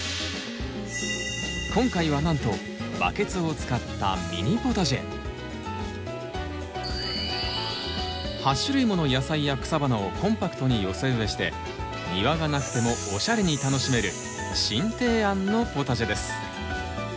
今回はなんとバケツを使った８種類もの野菜や草花をコンパクトに寄せ植えして庭がなくてもオシャレに楽しめる新提案のポタジェです。